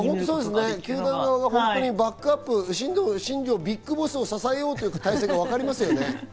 球団が新庄ＢＩＧＢＯＳＳを支えようという体制がわかりますね。